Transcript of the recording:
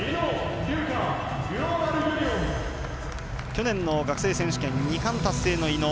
去年の学生選手権２冠達成の井野。